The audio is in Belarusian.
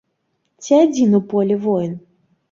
Ці адзін у полі воін?